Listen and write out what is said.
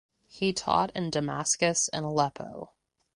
He taught in Damascus and Aleppo.